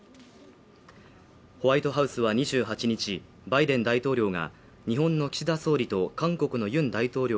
ホワイトハウスは２８日バイデン大統領が日本の岸田総理と韓国のムン大統領